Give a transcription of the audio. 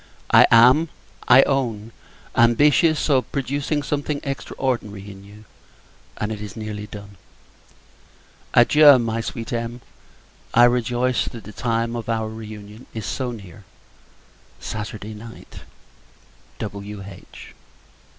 I am, I own, ambitious of producing something extraordinary in you, and it is nearly done. Adieu! my sweet Em. I rejoice that the time of our re union is so near Saturday night! W.H.